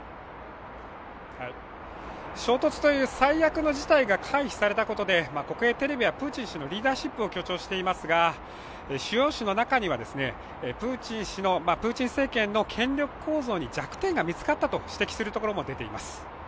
衝突という最悪の事態が回避されたことで、国営テレビはプーチン氏のリーダーシップを強調していますが主要紙の中には、プーチン政権の権力構造に弱点が見つかったと指摘するところも出ています。